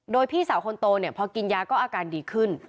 โดยพี่สาวคนโตเนี่ยพอกินยาก็อาการดีขึ้น